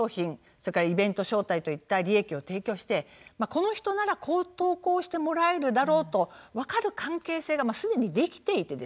それからイベント招待といった利益を提供してこの人ならこう投稿してもらえるだろうとわかる関係性が既にできていてですね